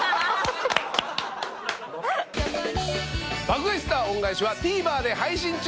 『爆買い☆スター恩返し』はＴＶｅｒで配信中。